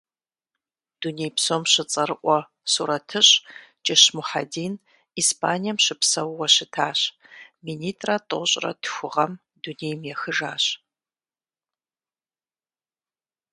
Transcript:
Дунейпсом щыцӏэрыӏуэ сурэтыщӏ, Кӏыщ Мухьэдин Испанием щыпсэууэ щытащ, минитӏырэ тӏощӏырэ тху гъэм дунейм ехыжащ.